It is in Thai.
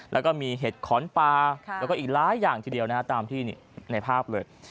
แล้วก็มีเห็ดขอนปลาแล้วก็อีกหลายอย่างทีเดียวนะฮะตามที่ในภาพเลย